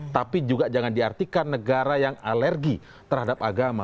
tapi juga jangan diartikan negara yang alergi terhadap agama